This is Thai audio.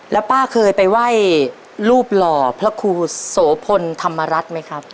แล้วป้าเคยไปไหว้รูปหล่อพระครูโสพลธรรมรัฐไหมครับ